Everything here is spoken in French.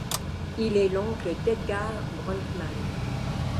Il est l'oncle d'Edgar Bronfman.